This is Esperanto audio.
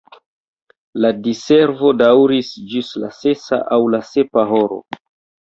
La diservo daŭris ĝis la sesa aŭ la sepa horo.